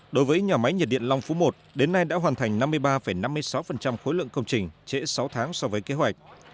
đối với nhà máy nhiệt điện long phú một đến nay đã hoàn thành năm mươi ba năm mươi sáu khối lượng công trình trễ sáu tháng so với kế hoạch